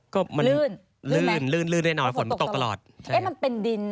ก็มันระวังได้เลย